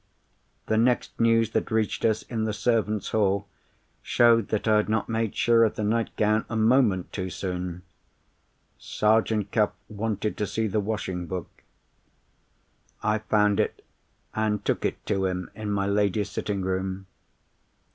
"The next news that reached us in the servants' hall showed that I had not made sure of the nightgown a moment too soon. Sergeant Cuff wanted to see the washing book. "I found it, and took it to him in my lady's sitting room.